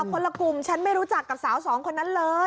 คนละกลุ่มฉันไม่รู้จักกับสาวสองคนนั้นเลย